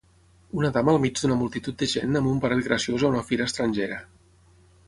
Una dama al mig d'una multitud de gent amb un barret graciós a una fira estrangera